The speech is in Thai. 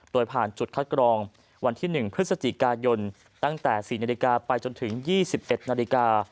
โดยผ่านจุดคัดกรองวันที่๑พฤศจิกายนตั้งแต่๔นาฬิกาไปจนถึง๒๑นาฬิกา